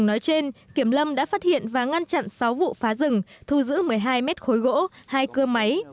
nói trên kiểm lâm đã phát hiện và ngăn chặn sáu vụ phá rừng thu giữ một mươi hai mét khối gỗ hai cưa máy